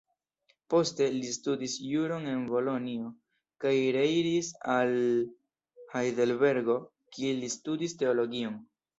Poste, li studis juron en Bolonjo, kaj reiris al Hajdelbergo kie li studis teologion.